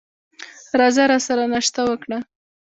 راځه راسره ناشته وکړه !